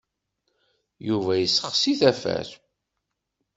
Yuba yessexsi tafat.